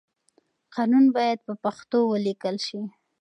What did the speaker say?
قانون بايد په پښتو وليکل شي.